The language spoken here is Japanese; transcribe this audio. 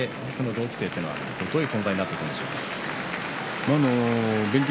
親方として同期生というのはどういう存在になっていくんでしょうか。